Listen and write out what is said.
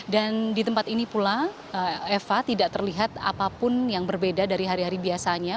dan di tempat ini pula eva tidak terlihat apapun yang berbeda dari hari hari biasanya